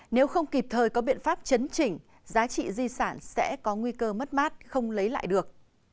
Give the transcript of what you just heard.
nếu không kịp thời có biện pháp chấn chỉnh giá trị di sản sẽ có nguy cơ mất mát không lấy lại được